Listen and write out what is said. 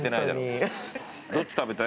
どっち食べたい？